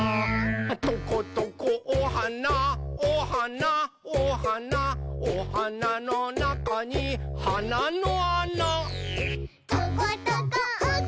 「トコトコおはなおはなおはなおはなのなかにはなのあな」「トコトコおくちおくち